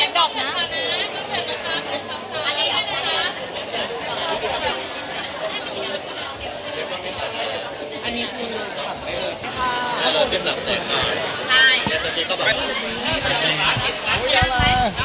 ด้านนี้ดีนะครับ